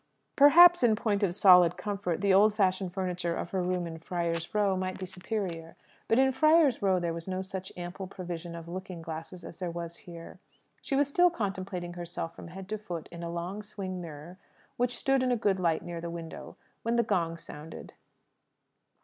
Perhaps, in point of solid comfort, the old fashioned furniture of her room in Friar's Row might be superior; but in Friar's Row there was no such ample provision of looking glasses as there was here. She was still contemplating herself from head to foot in a long swing mirror, which stood in a good light near the window, when the gong sounded.